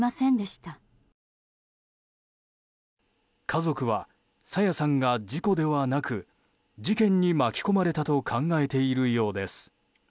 家族は朝芽さんが事故ではなく事件に巻き込まれたと考えているようです。